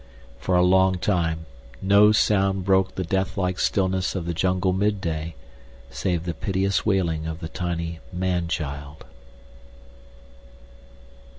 For a long time no sound broke the deathlike stillness of the jungle midday save the piteous wailing of the tiny man child.